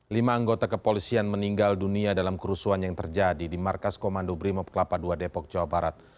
lima anggota kepolisian meninggal dunia dalam kerusuhan yang terjadi di markas komando brimob kelapa ii depok jawa barat